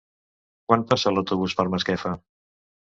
Quan passa l'autobús per Masquefa?